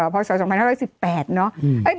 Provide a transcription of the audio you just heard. พศ๒๕๑๘เนอะ